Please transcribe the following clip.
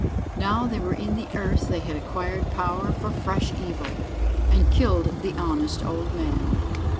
Now they were in the earth they had acquired power for fresh evil, and killed the honest old man!